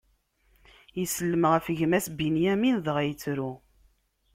Isellem ɣef gma-s Binyamin, dɣa ittru.